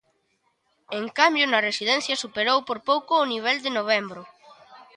En cambio, nas residencias superou por pouco o nivel de novembro.